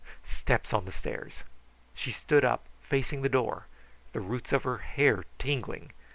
Steps on the stairs! She stood up, facing the door, the roots of her hair tingling.